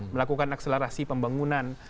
melakukan akselerasi pembangunan